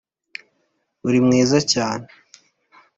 uri mwiza cyane.